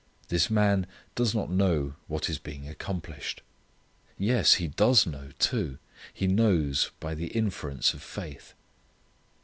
This man does not know what is being accomplished. Yes! He does know, too. He knows by the inference of faith.